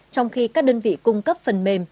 trong khi các đơn vị cung cấp phần mềm